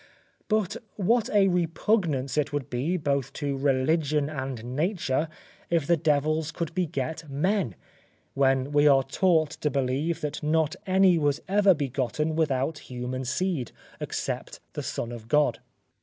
But what a repugnance it would be both to religion and nature, if the devils could beget men; when we are taught to believe that not any was ever begotten without human seed, except the Son of God.